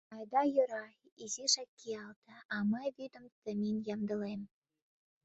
— Айда йӧра, изишак киялте, а мый вӱдым темен ямдылем.